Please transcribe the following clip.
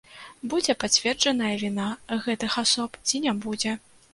Будзе пацверджаная віна гэтых асоб ці не будзе.